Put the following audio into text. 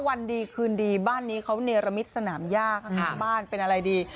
วันดีคืนดีบ้านนี้เขาเนรมิตสนามย่าข้างบ้านเป็นอะไรดี